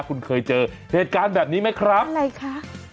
คุณเคยเจอเหตุการณ์แบบนี้ไหมครับยังไงคะ